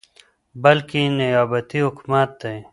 بلكې نيابتي حكومت دى ،